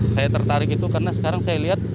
saya tertarik itu karena sekarang saya lihat